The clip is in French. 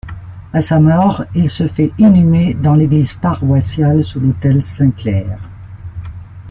À sa mort, il se fait inhumer dans l'église paroissiale, sous l'autel Saint-Clair.